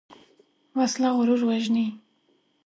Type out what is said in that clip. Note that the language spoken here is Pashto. وسله غرور وژني